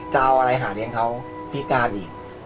จะเอาอะไรหาเลี้ยงเขาพิการอีก